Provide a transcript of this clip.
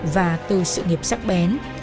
và từ sự nghiệp sắc bén